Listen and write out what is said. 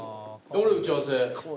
俺打ち合わせ。